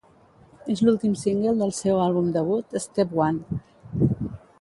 És l'últim single del seu àlbum debut, "Step One".